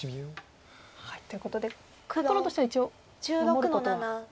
ということで黒としては一応守ることはできたわけですね。